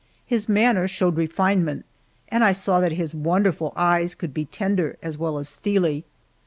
His manner showed refinement, and I saw that his wonderful eyes could be tender as well as steely.